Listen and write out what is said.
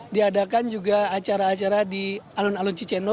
diadakan juga acara acara di alun alun ciceno